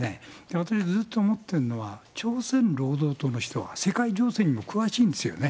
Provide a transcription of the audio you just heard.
私ずっと思ってるのは、朝鮮労働党の人は、世界情勢にも詳しいんですよね。